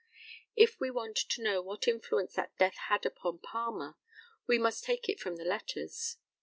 If we want to know what influence that death had upon Palmer, we must take it from the letters.